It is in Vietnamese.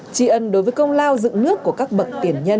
tri ân đối với công lao dựng nước của các bậc tiền nhân